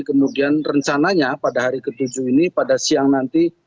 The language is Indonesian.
kemudian rencananya pada hari ketujuh ini pada siang nanti